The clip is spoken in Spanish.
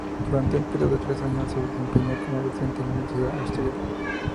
Durante un periodo de tres años se desempeñó como docente en la Universidad Austral.